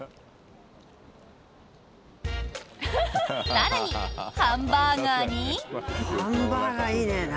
更に、ハンバーガーに。